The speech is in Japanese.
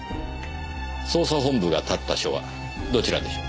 捜査本部が立った署はどちらでしょう？